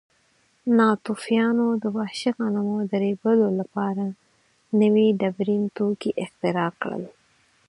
ناتوفیانو د وحشي غنمو د ریبلو لپاره نوي ډبرین توکي اختراع کړل.